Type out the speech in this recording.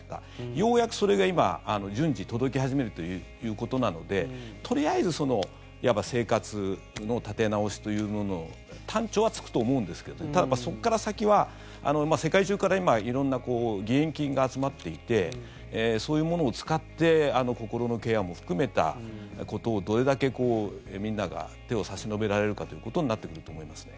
ようやくそれが今順次届き始めるということなのでとりあえずいわば生活の立て直しというのの端緒はつくと思うんですけどそこから先は世界中から今色んな義援金が集まっていてそういうものを使って心のケアも含めたことをどれだけみんなが手を差し伸べられるかということになってくると思いますね。